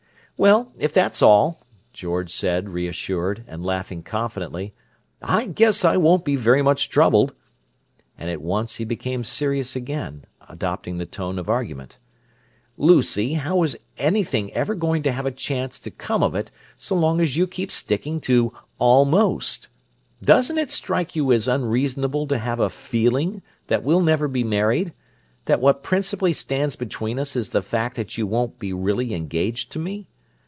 "Well, if that's all," George said, reassured, and laughing confidently, "I guess I won't be very much troubled!" But at once he became serious again, adopting the tone of argument. "Lucy, how is anything ever going to get a chance to come of it, so long as you keep sticking to 'almost'? Doesn't it strike you as unreasonable to have a 'feeling' that we'll never be married, when what principally stands between us is the fact that you won't be really engaged to me?